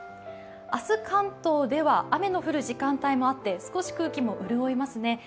明日、関東では雨の降る時間帯もあって少し空気も潤いますね。